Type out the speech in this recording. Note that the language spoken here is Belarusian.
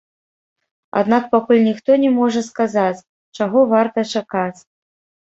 Аднак пакуль ніхто не можа сказаць, чаго варта чакаць.